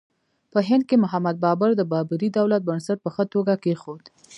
په هند کې محمد بابر د بابري دولت بنسټ په ښه توګه کېښود.